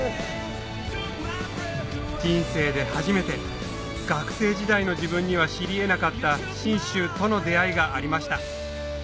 人生で初めて学生時代の自分には知り得なかった信州との出合いがありました